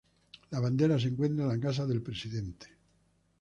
La bandera se encuentra en la casa del presidente.